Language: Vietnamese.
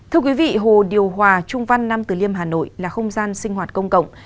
thưa quý vị hồ điều hòa trung văn nam từ liêm hà nội là không gian sinh hoạt công cộng